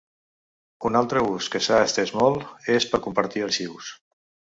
Un altre ús que s'ha estès molt és per compartir arxius.